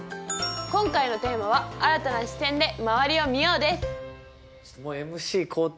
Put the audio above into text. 今回のテーマは「新たな視点で周りを見よう」です。